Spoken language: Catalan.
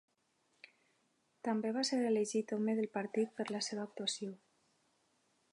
També va ser elegit home del partit per la seva actuació.